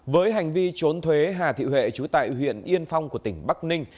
với hành vi trốn thuế hà thị huệ chú tại huyện yên phong của tỉnh bắc ninh